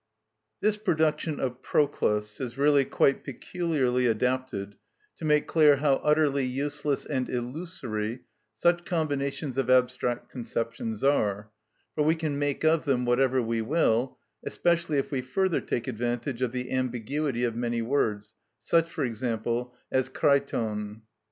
This production of Proclus is really quite peculiarly adapted to make clear how utterly useless and illusory such combinations of abstract conceptions are, for we can make of them whatever we will, especially if we further take advantage of the ambiguity of many words, such, for example, as κρειττον.